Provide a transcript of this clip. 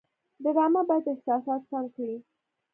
ډرامه باید احساسات سم کړي